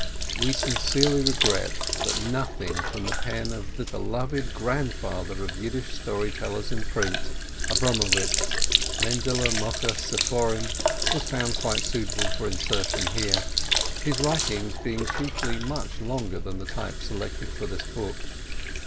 We sincerely regret that nothing from the pen of the beloved "Grandfather" of Yiddish story tellers in print, Abramowitsch (Mendele Mocher Seforim), was found quite suitable for insertion here, his writings being chiefly much longer than the type selected for this book.